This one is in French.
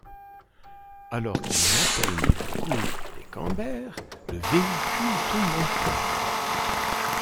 Alors qu'ils atteignent la cour des Camber, le véhicule tombe en panne.